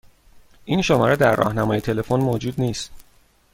این شماره در راهنمای تلفن موجود نیست.